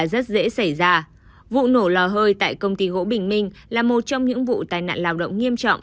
rất dễ xảy ra vụ nổ lò hơi tại công ty gỗ bình minh là một trong những vụ tai nạn lao động nghiêm trọng